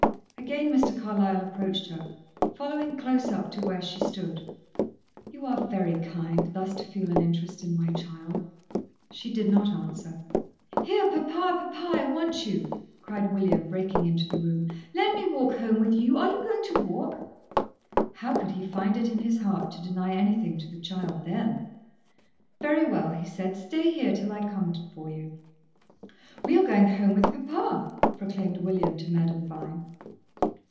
Again Mr. Carlyle approached her, following close up to where she stood. "You are very kind, thus to feel an interest in my child." She did not answer. "Here, papa, papa! I want you," cried William, breaking into the room. "Let me walk home with you? Are you going to walk?" How could he find it in his heart to deny anything to the child then? "Very well," he said. "Stay here till I come for you." "We are going home with papa," proclaimed William to Madame Vine.